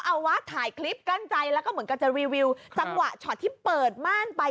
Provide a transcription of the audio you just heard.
เอาว่าถ่ายคลิปกั้นใจแล้วก็เหมือนกันจะรีวิวจังหวะช็อตที่เปิดม่านไป